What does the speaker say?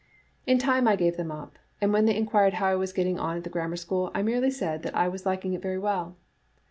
In time I gave them up ; and when they inquired how I was get ting on at the Grammar School, I merely said that I was liking it very well.